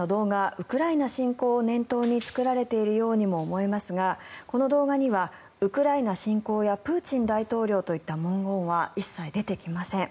ウクライナ侵攻を念頭に作られているようにも思えますがこの動画にはウクライナ侵攻やプーチン大統領といった文言は一切出てきません。